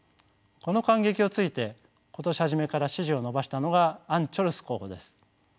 この間隙をついて今年初めから支持を伸ばしたのがアン・チョルス候補です。